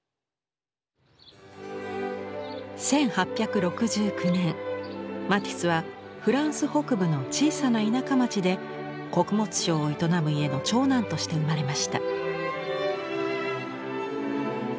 １８６９年マティスはフランス北部の小さな田舎町で穀物商を営む家の長男として生まれました。